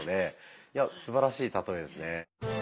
いやすばらしいたとえですね。